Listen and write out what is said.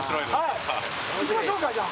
行きましょうか、じゃあ。